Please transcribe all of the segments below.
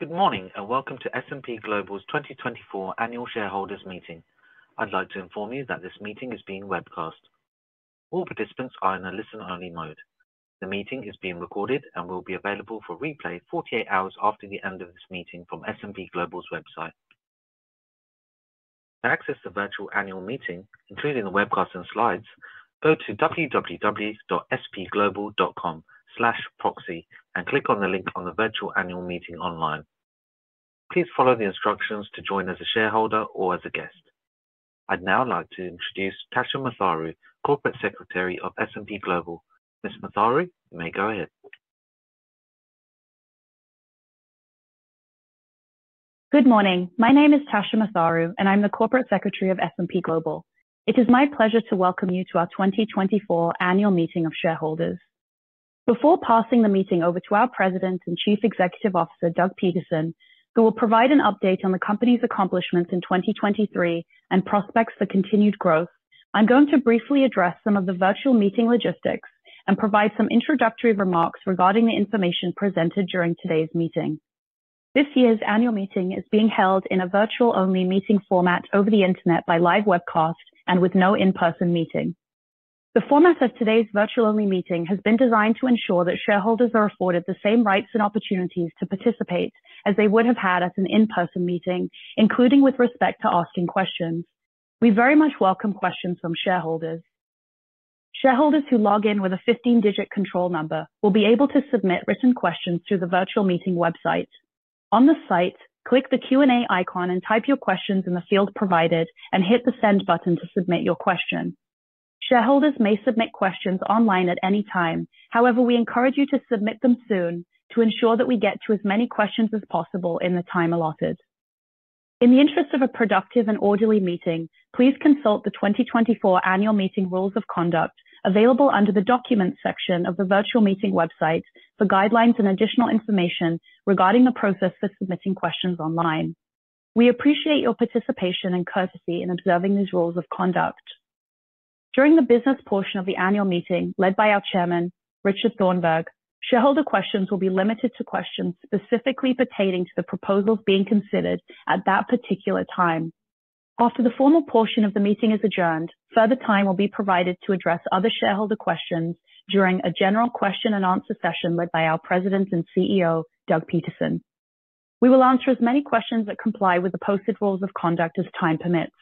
Good morning and welcome to S&P Global's 2024 Annual Shareholders Meeting. I'd like to inform you that this meeting is being webcast. All participants are in a listen-only mode. The meeting is being recorded and will be available for replay 48 hours after the end of this meeting from S&P Global's website. To access the virtual annual meeting, including the webcast and slides, go to www.spglobal.com/proxy and click on the link on the virtual annual meeting online. Please follow the instructions to join as a shareholder or as a guest. I'd now like to introduce Tasha Matharu, Corporate Secretary of S&P Global. Ms. Matharu, you may go ahead. Good morning. My name is Tasha Matharu, and I'm the Corporate Secretary of S&P Global. It is my pleasure to welcome you to our 2024 Annual Meeting of Shareholders. Before passing the meeting over to our President and Chief Executive Officer Doug Peterson, who will provide an update on the company's accomplishments in 2023 and prospects for continued growth, I'm going to briefly address some of the virtual meeting logistics and provide some introductory remarks regarding the information presented during today's meeting. This year's annual meeting is being held in a virtual-only meeting format over the internet by live webcast and with no in-person meeting. The format of today's virtual-only meeting has been designed to ensure that shareholders are afforded the same rights and opportunities to participate as they would have had at an in-person meeting, including with respect to asking questions. We very much welcome questions from shareholders. Shareholders who log in with a 15-digit control number will be able to submit written questions through the virtual meeting website. On the site, click the Q&A icon and type your questions in the field provided, and hit the Send button to submit your question. Shareholders may submit questions online at any time, however, we encourage you to submit them soon to ensure that we get to as many questions as possible in the time allotted. In the interest of a productive and orderly meeting, please consult the 2024 Annual Meeting Rules of Conduct available under the Documents section of the virtual meeting website for guidelines and additional information regarding the process for submitting questions online. We appreciate your participation and courtesy in observing these rules of conduct. During the business portion of the annual meeting led by our Chairman, Richard Thornburgh, shareholder questions will be limited to questions specifically pertaining to the proposals being considered at that particular time. After the formal portion of the meeting is adjourned, further time will be provided to address other shareholder questions during a general question-and-answer session led by our President and CEO, Doug Peterson. We will answer as many questions that comply with the posted rules of conduct as time permits.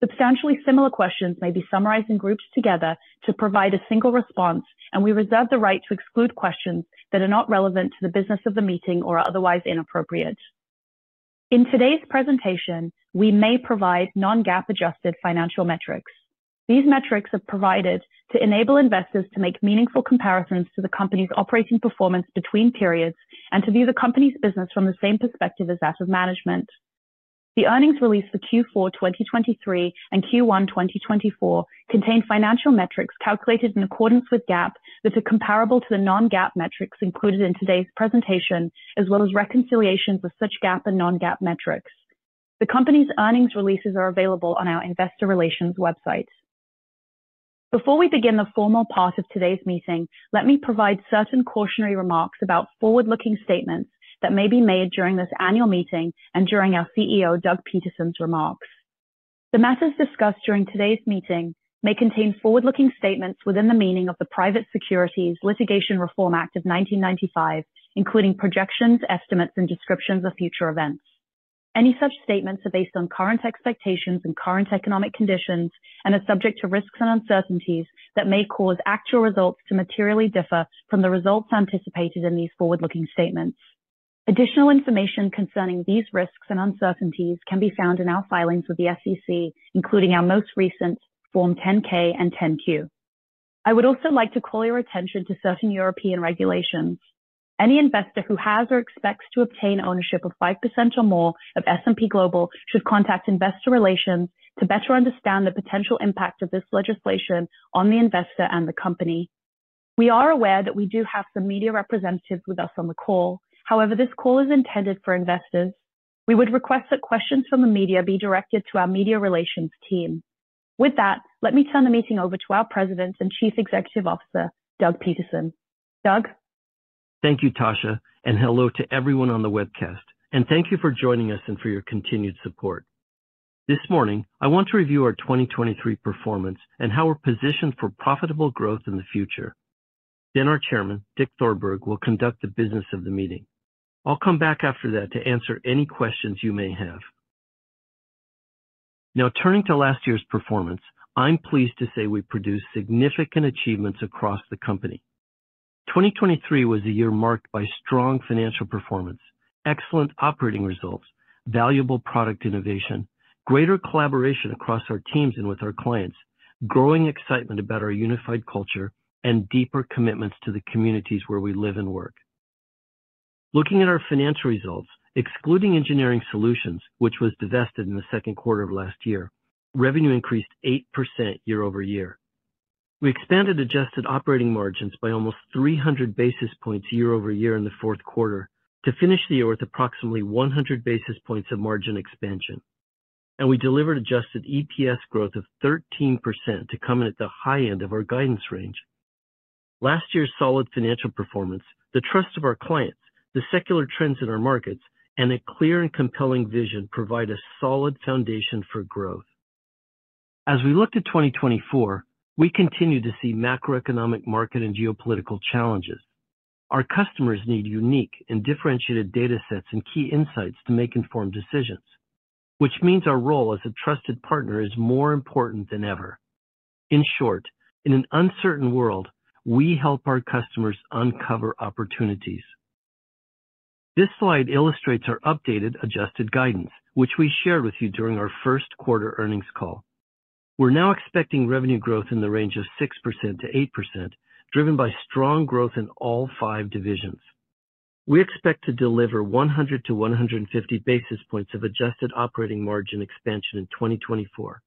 Substantially similar questions may be summarized in groups together to provide a single response, and we reserve the right to exclude questions that are not relevant to the business of the meeting or are otherwise inappropriate. In today's presentation, we may provide non-GAAP-adjusted financial metrics. These metrics are provided to enable investors to make meaningful comparisons to the company's operating performance between periods and to view the company's business from the same perspective as that of management. The earnings release for Q4 2023 and Q1 2024 contains financial metrics calculated in accordance with GAAP that are comparable to the non-GAAP metrics included in today's presentation, as well as reconciliations of such GAAP and non-GAAP metrics. The company's earnings releases are available on our Investor Relations website. Before we begin the formal part of today's meeting, let me provide certain cautionary remarks about forward-looking statements that may be made during this annual meeting and during our CEO, Doug Peterson's remarks. The matters discussed during today's meeting may contain forward-looking statements within the meaning of the Private Securities Litigation Reform Act of 1995, including projections, estimates, and descriptions of future events. Any such statements are based on current expectations and current economic conditions and are subject to risks and uncertainties that may cause actual results to materially differ from the results anticipated in these forward-looking statements. Additional information concerning these risks and uncertainties can be found in our filings with the SEC, including our most recent Form 10-K and 10-Q. I would also like to call your attention to certain European regulations. Any investor who has or expects to obtain ownership of 5% or more of S&P Global should contact Investor Relations to better understand the potential impact of this legislation on the investor and the company. We are aware that we do have some media representatives with us on the call. However, this call is intended for investors. We would request that questions from the media be directed to our Media Relations team. With that, let me turn the meeting over to our President and Chief Executive Officer, Doug Peterson. Doug? Thank you, Tasha, and hello to everyone on the webcast, and thank you for joining us and for your continued support. This morning, I want to review our 2023 performance and how we're positioned for profitable growth in the future. Then our Chairman, Dick Thornburgh, will conduct the business of the meeting. I'll come back after that to answer any questions you may have. Now, turning to last year's performance, I'm pleased to say we produced significant achievements across the company. 2023 was a year marked by strong financial performance, excellent operating results, valuable product innovation, greater collaboration across our teams and with our clients, growing excitement about our unified culture, and deeper commitments to the communities where we live and work. Looking at our financial results, excluding Engineering Solutions, which was divested in the second quarter of last year, revenue increased 8% year-over-year. We expanded adjusted operating margins by almost 300 basis points year-over-year in the fourth quarter to finish the year with approximately 100 basis points of margin expansion, and we delivered adjusted EPS growth of 13% to come in at the high end of our guidance range. Last year's solid financial performance, the trust of our clients, the secular trends in our markets, and a clear and compelling vision provide a solid foundation for growth. As we look to 2024, we continue to see macroeconomic, market, and geopolitical challenges. Our customers need unique and differentiated data sets and key insights to make informed decisions, which means our role as a trusted partner is more important than ever. In short, in an uncertain world, we help our customers uncover opportunities. This slide illustrates our updated adjusted guidance, which we shared with you during our first quarter earnings call. We're now expecting revenue growth in the range of 6%-8%, driven by strong growth in all five divisions. We expect to deliver 100 to 150 basis points of Adjusted Operating Margin expansion in 2024,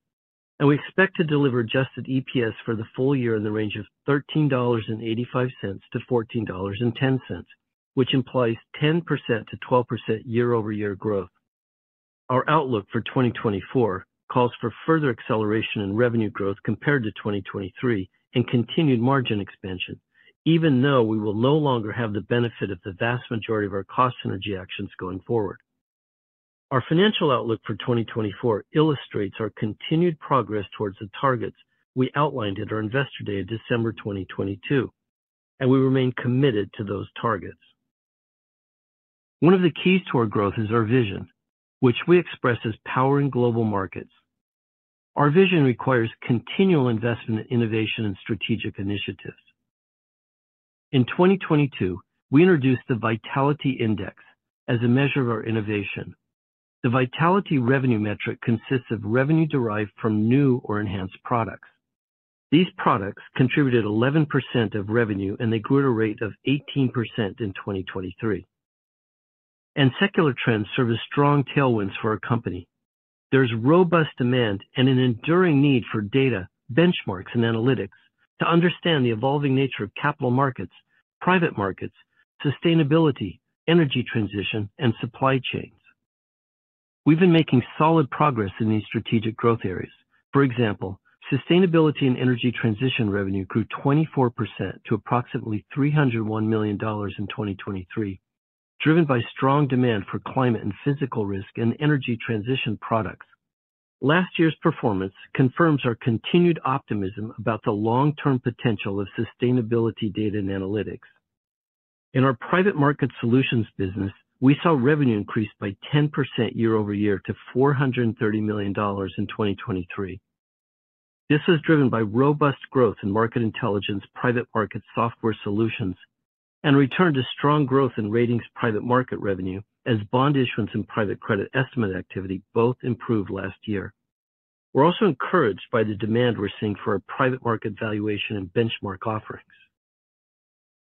and we expect to deliver Adjusted EPS for the full year in the range of $13.85-$14.10, which implies 10%-12% year-over-year growth. Our outlook for 2024 calls for further acceleration in revenue growth compared to 2023 and continued margin expansion, even though we will no longer have the benefit of the vast majority of our cost synergy actions going forward. Our financial outlook for 2024 illustrates our continued progress towards the targets we outlined at our investor day of December 2022, and we remain committed to those targets. One of the keys to our growth is our vision, which we express as powering global markets. Our vision requires continual investment in innovation and strategic initiatives. In 2022, we introduced the Vitality Index as a measure of our innovation. The Vitality revenue metric consists of revenue derived from new or enhanced products. These products contributed 11% of revenue, and they grew at a rate of 18% in 2023. Secular trends serve as strong tailwinds for our company. There's robust demand and an enduring need for data, benchmarks, and analytics to understand the evolving nature of capital markets, private markets, sustainability, energy transition, and supply chains. We've been making solid progress in these strategic growth areas. For example, sustainability and energy transition revenue grew 24% to approximately $301 million in 2023, driven by strong demand for climate and physical risk and energy transition products. Last year's performance confirms our continued optimism about the long-term potential of sustainability data and analytics. In our private market solutions business, we saw revenue increase by 10% year-over-year to $430 million in 2023. This was driven by robust growth in Market Intelligence, private market software solutions, and returned to strong growth in Ratings private market revenue as bond issuance and private credit estimate activity both improved last year. We're also encouraged by the demand we're seeing for our private market valuation and benchmark offerings.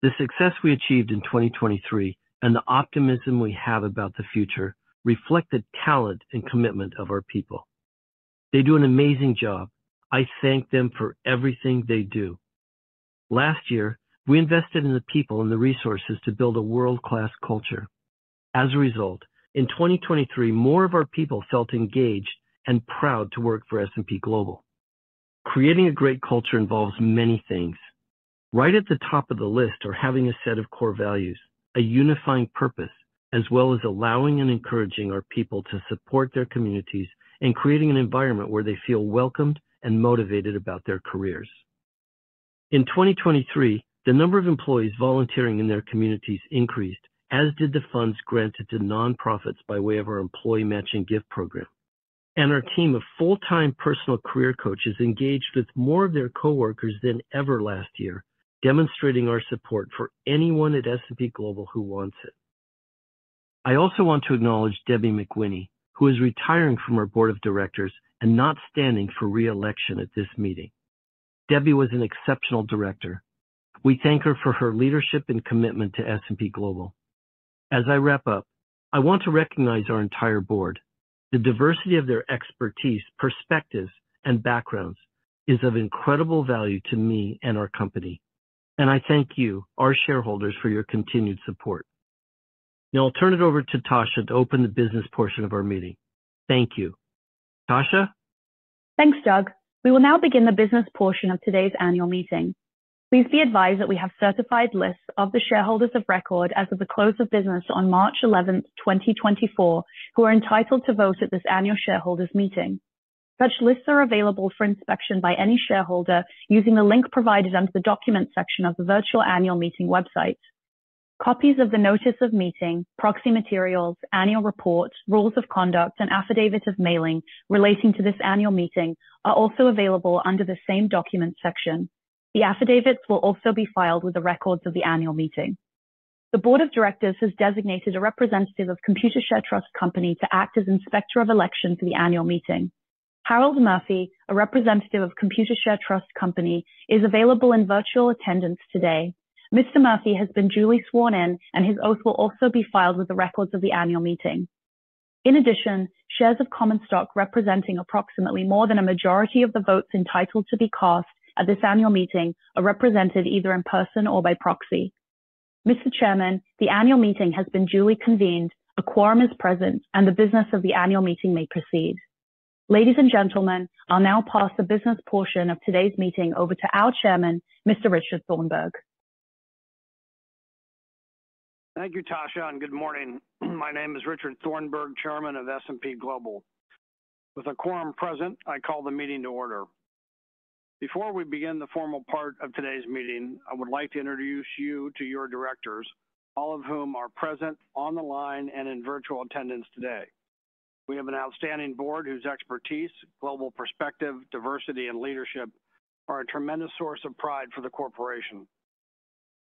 The success we achieved in 2023 and the optimism we have about the future reflect the talent and commitment of our people. They do an amazing job. I thank them for everything they do. Last year, we invested in the people and the resources to build a world-class culture. As a result, in 2023, more of our people felt engaged and proud to work for S&P Global. Creating a great culture involves many things. Right at the top of the list are having a set of core values, a unifying purpose, as well as allowing and encouraging our people to support their communities and creating an environment where they feel welcomed and motivated about their careers. In 2023, the number of employees volunteering in their communities increased, as did the funds granted to nonprofits by way of our employee matching gift program. Our team of full-time personal career coaches engaged with more of their coworkers than ever last year, demonstrating our support for anyone at S&P Global who wants it. I also want to acknowledge Debbie McWhinney, who is retiring from our Board of Directors and not standing for re-election at this meeting. Debbie was an exceptional director. We thank her for her leadership and commitment to S&P Global. As I wrap up, I want to recognize our entire Board. The diversity of their expertise, perspectives, and backgrounds is of incredible value to me and our company. I thank you, our shareholders, for your continued support. Now I'll turn it over to Tasha to open the business portion of our meeting. Thank you. Tasha? Thanks, Doug. We will now begin the business portion of today's annual meeting. Please be advised that we have certified lists of the shareholders of record as of the close of business on March 11th, 2024, who are entitled to vote at this annual shareholders' meeting. Such lists are available for inspection by any shareholder using the link provided under the Documents section of the virtual annual meeting website. Copies of the notice of meeting, proxy materials, annual report, rules of conduct, and affidavit of mailing relating to this annual meeting are also available under the same Documents section. The affidavits will also be filed with the records of the annual meeting. The Board of Directors has designated a representative of Computershare Trust Company to act as Inspector of Election for the annual meeting. Harold Murphy, a representative of Computershare Trust Company, is available in virtual attendance today. Mr. Murphy has been duly sworn in, and his oath will also be filed with the records of the annual meeting. In addition, shares of common stock representing approximately more than a majority of the votes entitled to be cast at this annual meeting are represented either in person or by proxy. Mr. Chairman, the annual meeting has been duly convened, a quorum is present, and the business of the annual meeting may proceed. Ladies and gentlemen, I'll now pass the business portion of today's meeting over to our Chairman, Mr. Richard Thornburgh. Thank you, Tasha, and good morning. My name is Richard Thornburgh, Chairman of S&P Global. With a quorum present, I call the meeting to order. Before we begin the formal part of today's meeting, I would like to introduce you to your directors, all of whom are present on the line and in virtual attendance today. We have an outstanding board whose expertise, global perspective, diversity, and leadership are a tremendous source of pride for the corporation.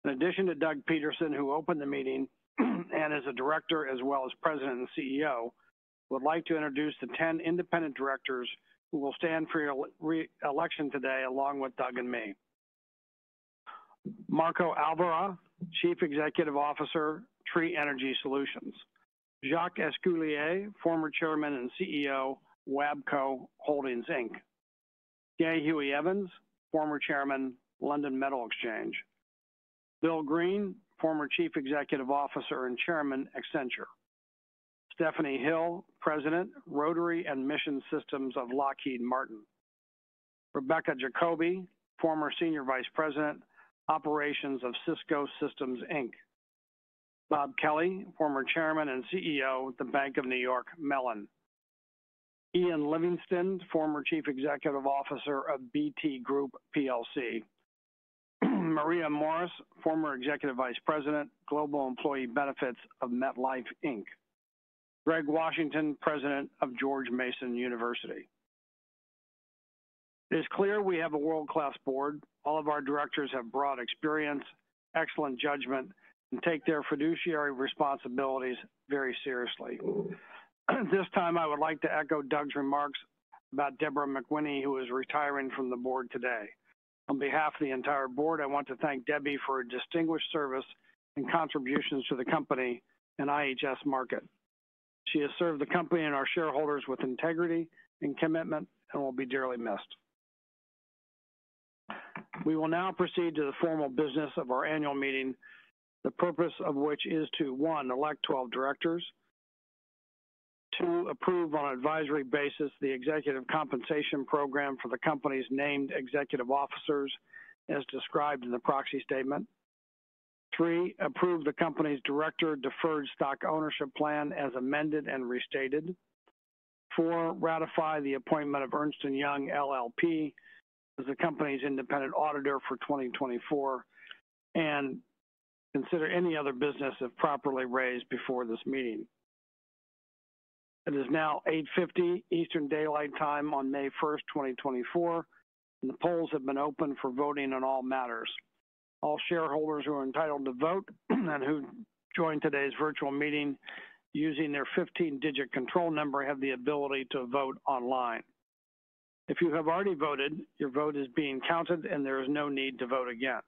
In addition to Doug Peterson, who opened the meeting and is a director as well as President and CEO, I would like to introduce the 10 independent directors who will stand for your re-election today along with Doug and me. Marco Alverà, Chief Executive Officer, Tree Energy Solutions. Jacques Esculier, former Chairman and CEO, WABCO Holdings Inc. Gay Huey Evans, former Chairman, London Metal Exchange. Bill Green, former Chief Executive Officer and Chairman, Accenture. Stephanie Hill, President, Rotary and Mission Systems of Lockheed Martin. Rebecca Jacoby, former Senior Vice President, Operations of Cisco Systems, Inc. Bob Kelly, former Chairman and CEO of the Bank of New York Mellon. Ian Livingston, former Chief Executive Officer of BT Group, PLC. Maria Morris, former Executive Vice President, Global Employee Benefits of MetLife, Inc. Greg Washington, President of George Mason University. It is clear we have a world-class Board. All of our directors have broad experience, excellent judgment, and take their fiduciary responsibilities very seriously. This time, I would like to echo Doug's remarks about Deborah McWhinney, who is retiring from the Board today. On behalf of the entire Board, I want to thank Debbie for her distinguished service and contributions to the company and IHS Markit. She has served the company and our shareholders with integrity and commitment and will be dearly missed. We will now proceed to the formal business of our annual meeting, the purpose of which is to, one, elect 12 directors. Two, approve on an advisory basis the executive compensation program for the company's named executive officers as described in the proxy statement. Three, approve the company's Director Deferred Stock Ownership Plan as amended and restated. Five, ratify the appointment of Ernst & Young LLP as the company's independent auditor for 2024, and consider any other business if properly raised before this meeting. It is now 8:50 A.M. Eastern Daylight Time on May 1st, 2024, and the polls have been open for voting on all matters. All shareholders who are entitled to vote and who join today's virtual meeting using their 15-digit control number have the ability to vote online. If you have already voted, your vote is being counted, and there is no need to vote again.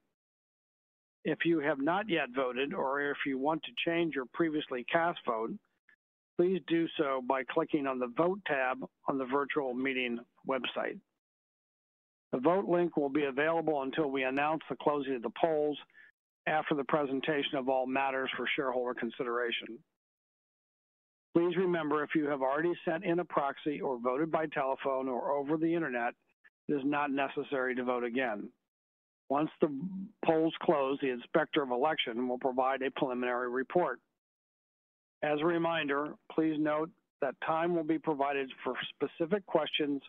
If you have not yet voted or if you want to change your previously cast vote, please do so by clicking on the Vote tab on the virtual meeting website. The Vote link will be available until we announce the closing of the polls after the presentation of all matters for shareholder consideration. Please remember, if you have already sent in a proxy or voted by telephone or over the internet, it is not necessary to vote again. Once the polls close, the Inspector of Election will provide a preliminary report. As a reminder, please note that time will be provided for specific questions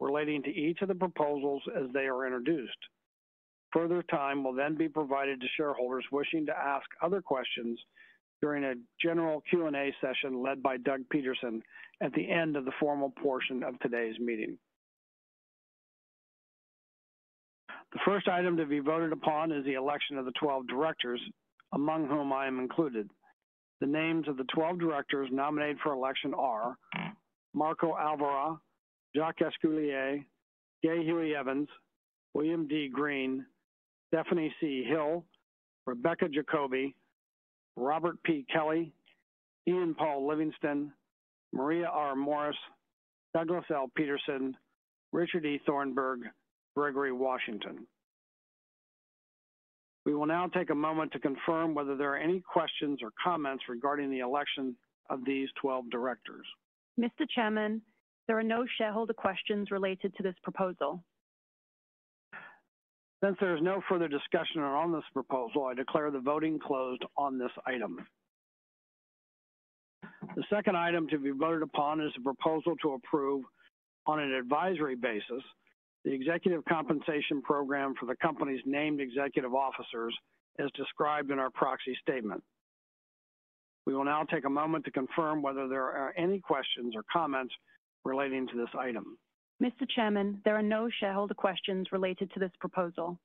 relating to each of the proposals as they are introduced. Further time will then be provided to shareholders wishing to ask other questions during a general Q&A session led by Doug Peterson at the end of the formal portion of today's meeting. The first item to be voted upon is the election of the 12 directors, among whom I am included. The names of the 12 directors nominated for election are Marco Alverà, Jacques Esculier, Gay Huey Evans, William D. Green, Stephanie C. Hill, Rebecca Jacoby, Robert P. Kelly, Ian Paul Livingston, Maria R. Morris, Douglas Peterson, Richard Thornburgh, Gregory Washington. We will now take a moment to confirm whether there are any questions or comments regarding the election of these 12 directors. Mr. Chairman, there are no shareholder questions related to this proposal. Since there is no further discussion on this proposal, I declare the voting closed on this item. The second item to be voted upon is a proposal to approve on an advisory basis the executive compensation program for the company's named executive officers as described in our proxy statement. We will now take a moment to confirm whether there are any questions or comments relating to this item. Mr. Chairman, there are no shareholder questions related to this proposal.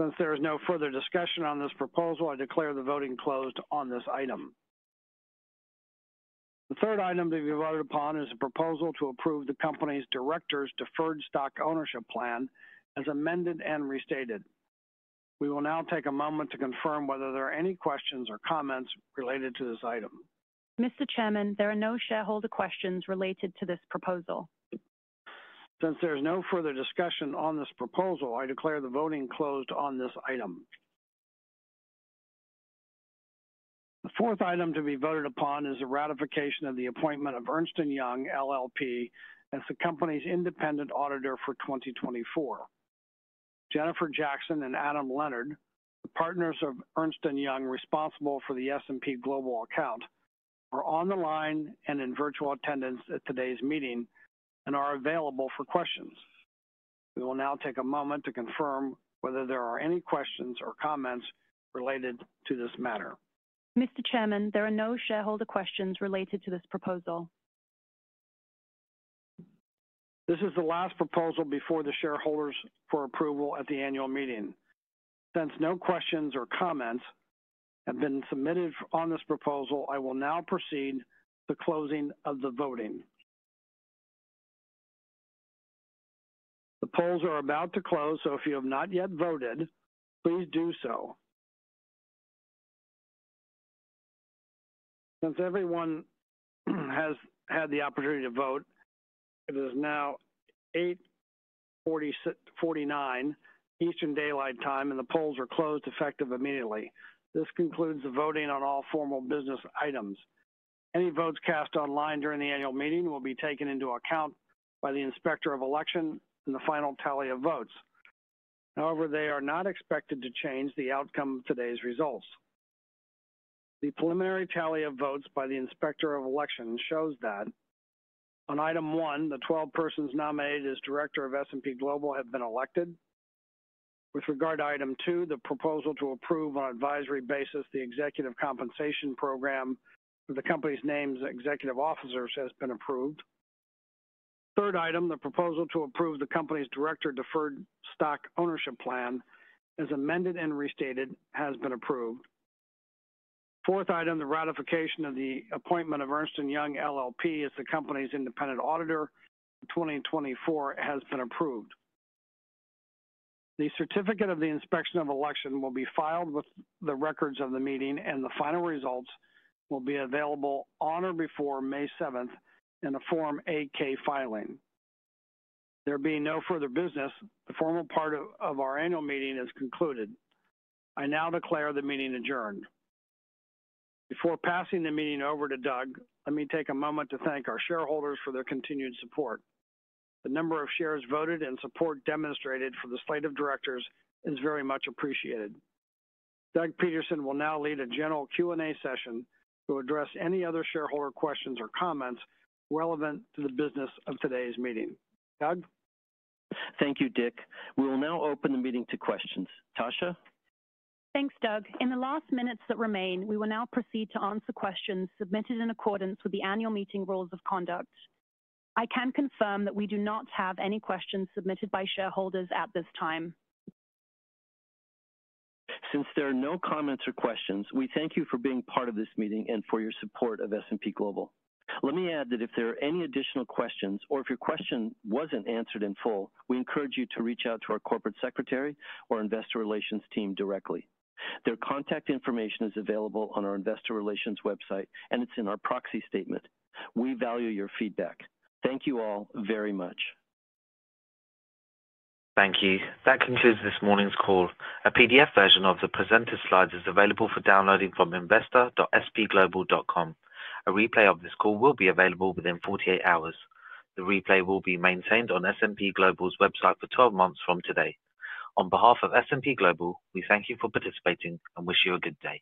Since there is no further discussion on this proposal, I declare the voting closed on this item. The third item to be voted upon is a proposal to approve the company's Directors Deferred Stock Ownership Plan as amended and restated. We will now take a moment to confirm whether there are any questions or comments related to this item. Mr. Chairman, there are no shareholder questions related to this proposal. Since there is no further discussion on this proposal, I declare the voting closed on this item. The fourth item to be voted upon is a ratification of the appointment of Ernst & Young LLP as the company's independent auditor for 2024. Jennifer Jackson and Adam Leonard, the partners of Ernst & Young responsible for the S&P Global account, are on the line and in virtual attendance at today's meeting and are available for questions. We will now take a moment to confirm whether there are any questions or comments related to this matter. Mr. Chairman, there are no shareholder questions related to this proposal. This is the last proposal before the shareholders for approval at the annual meeting. Since no questions or comments have been submitted on this proposal, I will now proceed to the closing of the voting. The polls are about to close, so if you have not yet voted, please do so. Since everyone has had the opportunity to vote, it is now 8:49 A.M. Eastern Daylight Time, and the polls are closed effective immediately. This concludes the voting on all formal business items. Any votes cast online during the annual meeting will be taken into account by the Inspector of Election in the final tally of votes. However, they are not expected to change the outcome of today's results. The preliminary tally of votes by the Inspector of Election shows that, on item one, the 12 persons nominated as director of S&P Global have been elected. With regard to item two, the proposal to approve on an advisory basis the executive compensation program for the company's named executive officers has been approved. Third item, the proposal to approve the company's Director Deferred Stock Ownership Plan as amended and restated has been approved. Fourth item, the ratification of the appointment of Ernst & Young LLP as the company's independent auditor for 2024 has been approved. The certificate of the Inspector of Election will be filed with the records of the meeting, and the final results will be available on or before May 7th in the Form 8-K filing. There being no further business, the formal part of our annual meeting is concluded. I now declare the meeting adjourned. Before passing the meeting over to Doug, let me take a moment to thank our shareholders for their continued support. The number of shares voted and support demonstrated for the slate of directors is very much appreciated. Doug Peterson will now lead a general Q&A session to address any other shareholder questions or comments relevant to the business of today's meeting. Doug? Thank you, Dick. We will now open the meeting to questions. Tasha? Thanks, Doug. In the last minutes that remain, we will now proceed to answer questions submitted in accordance with the annual meeting rules of conduct. I can confirm that we do not have any questions submitted by shareholders at this time. Since there are no comments or questions, we thank you for being part of this meeting and for your support of S&P Global. Let me add that if there are any additional questions or if your question wasn't answered in full, we encourage you to reach out to our corporate secretary or Investor Relations team directly. Their contact information is available on our Investor Relations website, and it's in our proxy statement. We value your feedback. Thank you all very much. Thank you. That concludes this morning's call. A PDF version of the presenter slides is available for downloading from investor.spglobal.com. A replay of this call will be available within 48 hours. The replay will be maintained on S&P Global's website for 12 months from today. On behalf of S&P Global, we thank you for participating and wish you a good day.